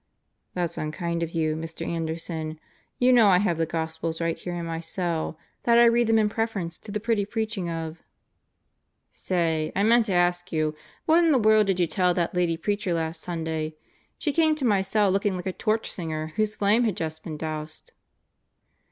"That's unkind of you, Mr. Anderson. You know I have the Gospels right here in my cell; that I read them in preference to the pretty preaching of ..." "Say, I meant to ask you: What in the world did you tell that lady preacher last Sunday? She came to my cell looking like a torch singer whose flame had just been doused."